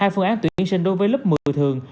hai phương án tuyển sinh đối với lớp một mươi thường